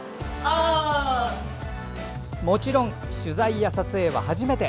もちろん取材や撮影は初めて。